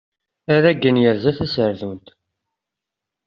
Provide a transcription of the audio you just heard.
Aregnet yerza taserdunt.